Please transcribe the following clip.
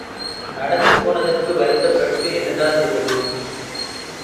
நடந்து போனதற்கு வருத்தப்பட்டு என்னடா செய்வது?